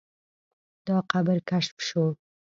دا قبر کشف شو.